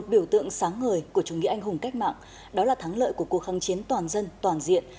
biểu tượng sáng ngời của chủ nghĩa anh hùng cách mạng đó là thắng lợi của cuộc kháng chiến toàn dân toàn diện